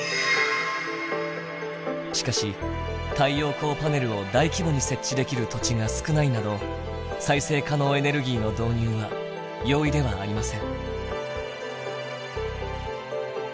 しかし太陽光パネルを大規模に設置できる土地が少ないなど再生可能エネルギーの導入は容易ではありません。